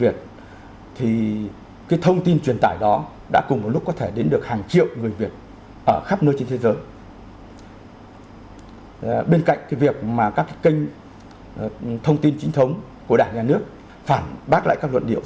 vậy thì chúng ta cần phải trang bị cho mình sự miễn nhiễm với những thông tin độc hại với những thông tin mà nó trái chiều